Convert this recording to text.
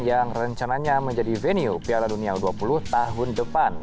yang rencananya menjadi venue piala dunia u dua puluh tahun depan